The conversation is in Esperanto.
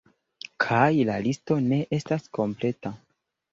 Kaj la listo ne estas kompleta!